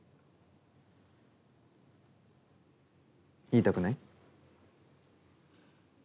言いたくない？